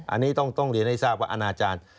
อันนี้ต้องเรียนให้ทราบว่าอนาจารย์